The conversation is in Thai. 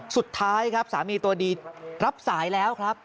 สุดท้ายครับสามีตัวดีรับสายแล้วครับ